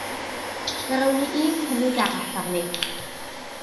Fe rown ni un cynnig arall arni.